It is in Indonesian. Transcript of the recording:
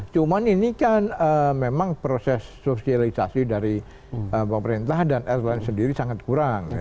cuma ini kan memang proses sosialisasi dari pemerintah dan airbun sendiri sangat kurang